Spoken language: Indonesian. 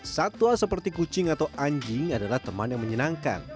satwa seperti kucing atau anjing adalah teman yang menyenangkan